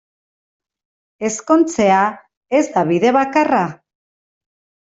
Ezkontzea ez da bide bakarra.